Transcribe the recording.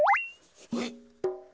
えっ？